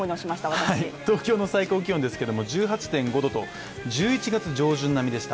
東京の最高気温ですけども１８．５℃１１月上旬並みでした。